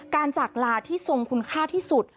จากลาที่ทรงคุณค่าที่สุด